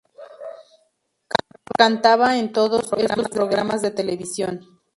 Cantaba en todos estos programas de televisión.